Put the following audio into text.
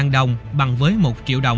một đồng bằng với một triệu đồng